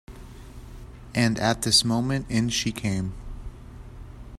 And at this moment in she came.